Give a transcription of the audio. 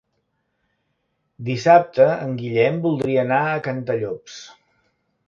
Dissabte en Guillem voldria anar a Cantallops.